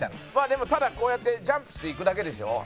でもただこうやってジャンプしていくだけでしょ？